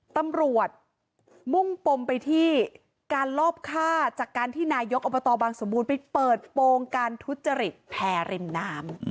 ตำรวจมุ่งปมไปที่การลอบฆ่าจากการที่นายกอบตบางสมบูรณ์ไปเปิดโปรงการทุจริตแพร่ริมน้ำ